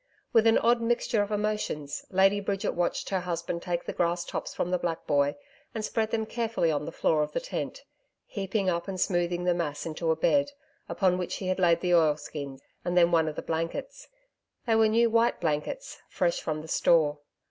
With an odd mixture of emotions, Lady Bridget watched her husband take the grass tops from the black boy and spread them carefully on the floor of the tent, heaping up and smoothing the mass into a bed, upon which he laid the oilskin and then one of the blankets they were new white blankets, fresh from the store.